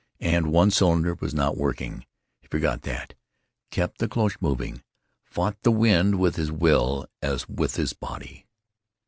And one cylinder was not working. He forgot that; kept the cloche moving; fought the wind with his will as with his body.